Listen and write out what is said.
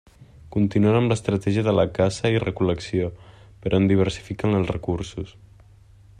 Continuen amb l'estratègia de la caça i recol·lecció, però en diversifiquen els recursos.